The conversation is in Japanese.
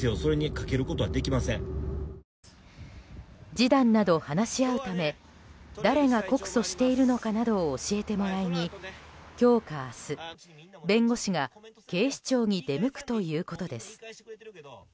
示談など、話し合うため誰が告訴しているのかなどを教えてもらいに今日か明日、弁護士が警視庁に出向くということです。